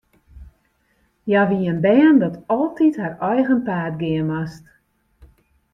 Hja wie in bern dat altyd har eigen paad gean moast.